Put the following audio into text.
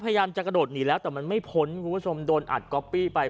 พยายามจะกระโดดหนีแล้วแต่มันไม่พ้นคุณผู้ชมโดนอัดก๊อปปี้ไป